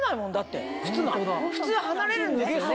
普通離れるんですよね。